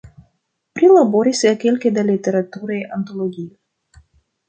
Prilaboris kelke da literaturaj antologioj.